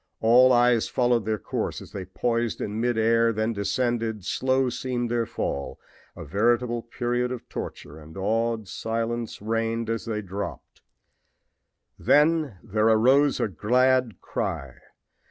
All eyes followed their course as they poised in mid air, then descended. Slow seemed their fall, a veritable period of torture, and awed silence reigned as they dropped. Then there arose a glad cry.